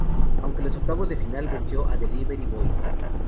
Aunque en los octavos de final venció al Delivery Boy.